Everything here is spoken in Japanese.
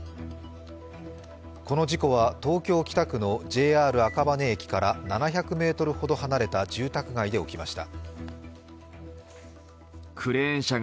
この事故は東京・北区のＪＲ赤羽駅から７００ｍほど離れた住宅街で起きました。